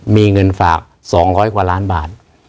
มีเงินฝาก๒๐๐กว่าล้านบาท